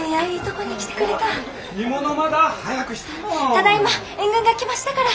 ただいま援軍が来ましたから。